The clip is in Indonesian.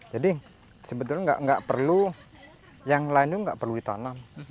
jadi sebetulnya yang lain itu tidak perlu ditanam